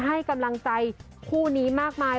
ให้กำลังใจคู่นี้มากมาย